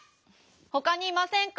ほかにいませんか？